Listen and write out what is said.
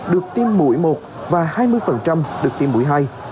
được tiêm mũi một và hai mươi được tiêm mũi hai